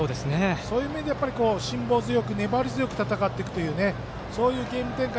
そういう面で辛抱強く粘り強く戦っていくそういうゲーム展開。